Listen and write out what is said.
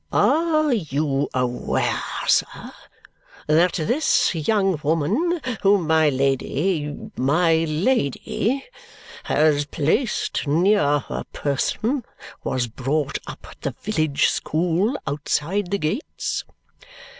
"Are you aware, sir, that this young woman whom my Lady my Lady has placed near her person was brought up at the village school outside the gates?"